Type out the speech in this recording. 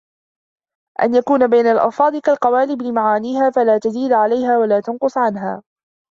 أَنْ يَكُونَ بَيْنَ الْأَلْفَاظِ كَالْقَوَالِبِ لِمَعَانِيهَا فَلَا تَزِيدُ عَلَيْهَا وَلَا تَنْقُصُ عَنْهَا